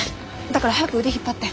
だから早く腕引っ張って。